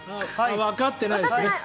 わかってないですね。